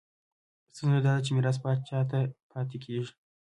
ستونزه دا ده چې میراث پاچا ته پاتې کېږي.